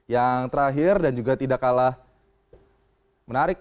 yang terakhir dan juga tidak kalah menarik